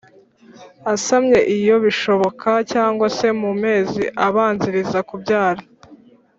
asamye iyo bishoboka cyangwa se mu mezi abanziriza kubyara